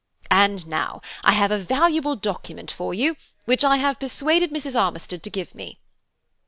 And now, I have a valuable document for you, which I have persuaded Mrs. Armistead to give me."